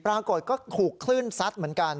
ปรากฏก็ถูกคลื่นซัดเหมือนกัน